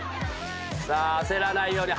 さあ焦らないように。